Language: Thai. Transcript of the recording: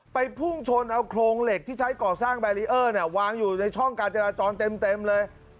พุ่งชนเอาโครงเหล็กที่ใช้ก่อสร้างแบรีเออร์วางอยู่ในช่องการจราจรเต็มเลย